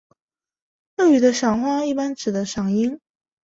日语的赏花一般指的是赏樱。